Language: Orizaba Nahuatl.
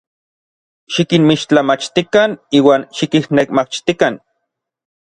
Xikinmixtlamachtikan iuan xikinnejmachtikan.